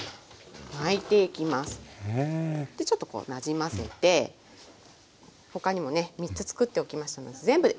でちょっとこうなじませて他にもね３つ作っておきましたので全部で４つ作って下さい。